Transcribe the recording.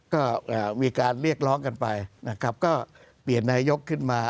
ก็มีการเรียกร้องกันไปนะครับก็เปลี่ยนนายกขึ้นมา